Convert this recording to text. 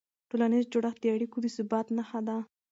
ټولنیز جوړښت د اړیکو د ثبات نښه ده.